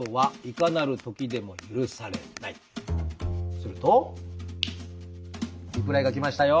するとリプライが来ましたよ。